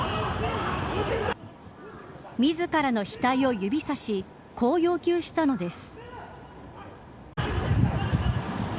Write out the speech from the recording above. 自らの額を指さしこう要求したのです。